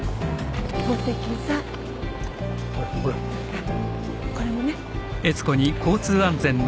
あっこれもね。